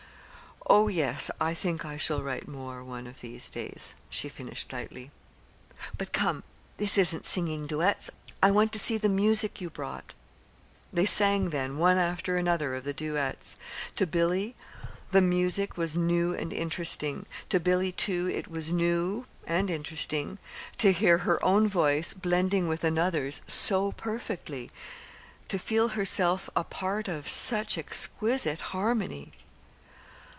"Oh, yes, I think I shall write more one of these days," she finished lightly. "But come, this isn't singing duets! I want to see the music you brought." They sang then, one after another of the duets. To Billy, the music was new and interesting. To Billy, too, it was new (and interesting) to hear her own voice blending with another's so perfectly to feel herself a part of such exquisite harmony.